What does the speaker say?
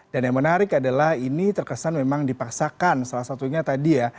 dan yang menarik adalah ini terkesan memang dipaksakan salah satunya tadi ya